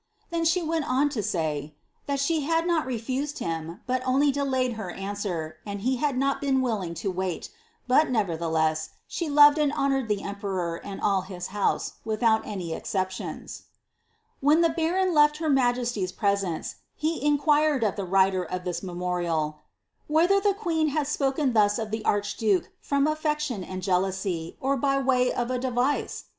Then she went oa to say, " that she had not refused him, but only delayed her answer, and he had not been willing to wait; but, iieverihelesa, she loved and honoured the emperor and all his house, without any escep When the baron left her majesty's presence, he inquired of the writer of this memorial, '^ whether the queen had spoken thus of the archduke from aOection and jealousy, or by way of a device